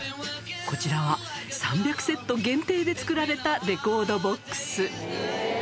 こちらは３００セット限定で作られたレコードボックス。